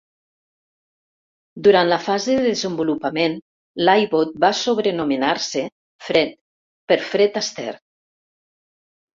Durant la fase de desenvolupament, l'iBot va sobrenomenar-se Fred, per Fred Astaire.